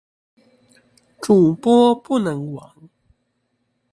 主播不能亡